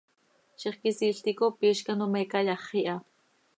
Zixquisiil ticop iizc ano me cayaxi ha.